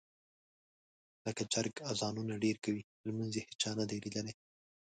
لکه چرګ اذانونه ډېر کوي لمونځ یې هېچا نه دي لیدلي.